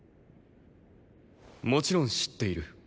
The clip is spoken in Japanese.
もちろん知っている。